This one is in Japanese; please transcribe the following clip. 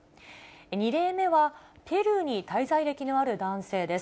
２例目はペルーに滞在歴がある男性です。